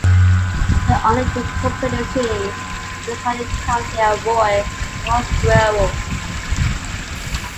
The only incorporated cities in Harding County are Roy and Mosquero.